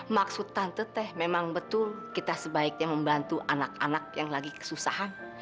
maksud tante teh memang betul kita sebaiknya membantu anak anak yang lagi kesusahan